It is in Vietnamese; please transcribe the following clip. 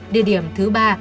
địa điểm thứ ba